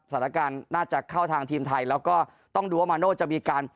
สถานการณ์น่าจะเข้าทางทีมไทยแล้วก็ต้องดูว่ามาโน่จะมีการ